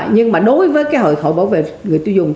nhưng mà đối với hội bảo vệ người tiêu dùng